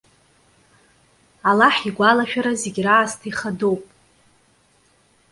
Аллаҳ игәалашәара зегьы раасҭа ихадоуп.